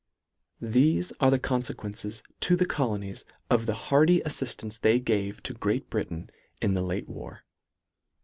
Thefe are the confequences to the colonies of the hearty afiiftance they gave to Great Britain in the late war.